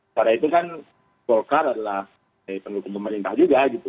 karena itu kan golkar adalah pendukung pemerintah juga gitu